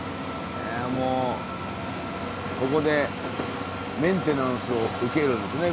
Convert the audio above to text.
ここでメンテナンスを受けるんですね